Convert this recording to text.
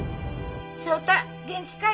翔太元気かえ？